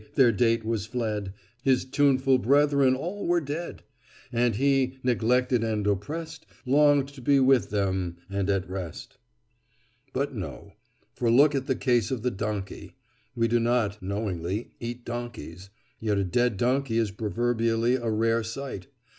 their date was fled, His tuneful brethren all were dead; And he, neglected and oppressed, Longed to be with them and at rest." But no; for look at the case of the donkey. We do not (knowingly) eat donkeys, yet a dead donkey is proverbially a rare sight.